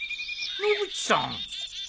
野口さん。